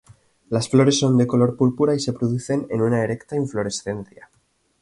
Las flores son de color púrpura y se producen en una erecta inflorescencia.